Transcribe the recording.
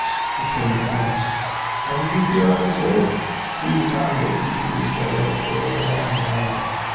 'I came at once.' 'How did you hear I was ill? We've not written to each other for a long while.'